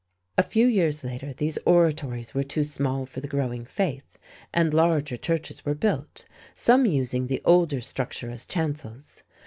A few years later these oratories were too small for the growing faith, and larger churches were built, some using the older structure as chancels.